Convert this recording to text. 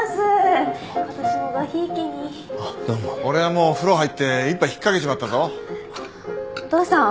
俺はもう風呂入って一杯ひっかけちまったぞ。